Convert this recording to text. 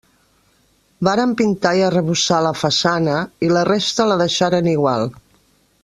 Varen pintar i arrebossar la façana i la resta la deixaren igual.